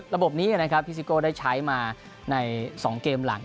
ระบบนี้พี่ซิโก้ได้ใช้มาใน๒เกมหลัง